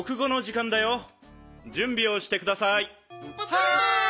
はい！